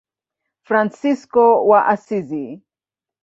Fransisko wa Asizi.